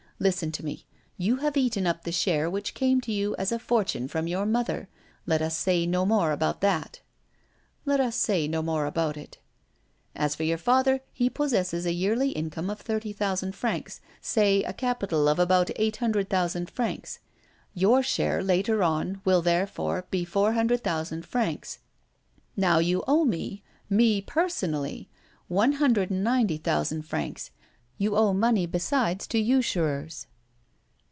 Listen to me! You have eaten up the share which came to you as a fortune from your mother. Let us say no more about that." "Let us say no more about it." "As for your father, he possesses a yearly income of thirty thousand francs, say, a capital of about eight hundred thousand francs. Your share, later on, will, therefore, be four hundred thousand francs. Now you owe me me, personally one hundred and ninety thousand francs. You owe money besides to usurers."